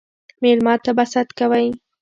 ميلمه ته به ست کوئ